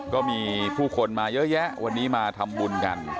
ก็มีผู้คนมาเยอะแยะวันนี้มาทำบุญกัน